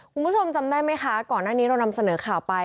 คุณผู้ชมจำได้ไหมคะก่อนหน้านี้เรานำเสนอข่าวไป